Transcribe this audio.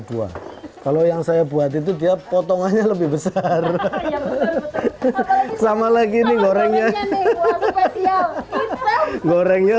dua kalau yang saya buat itu dia potongannya lebih besar sama lagi ini gorengnya gorengnya